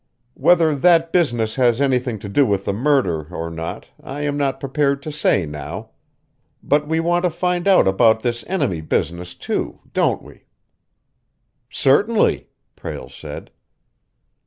Whether that business has anything to do with the murder, or not, I am not prepared to say now. But we want to find out about this enemy business, too, don't we?" "Certainly," Prale said.